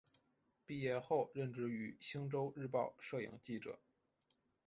毕业后任职于星洲日报摄影记者。